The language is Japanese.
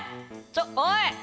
ちょおい！